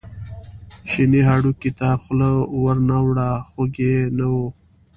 چیني هډوکي ته خوله ور نه وړه خوږ یې نه و.